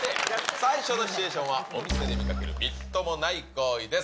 最初のシチュエーションは、お店で見かけるみっともない行為です。